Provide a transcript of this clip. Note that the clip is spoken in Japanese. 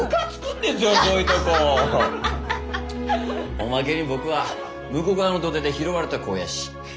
おまけに僕は武庫川の土手で拾われた子ぉやし。え？